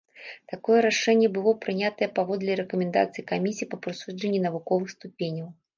Такое рашэнне было прынятае паводле рэкамендацыі камісіі па прысуджэнні навуковых ступеняў.